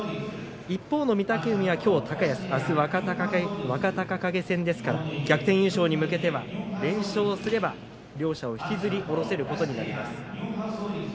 一方の御嶽海はきょう、高安あす若隆景戦ですから逆転優勝に向けては連勝すれば両者を引きずり降ろせることになります。